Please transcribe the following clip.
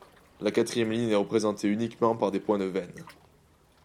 La quatrième ligne est représentée uniquement par des points de veine.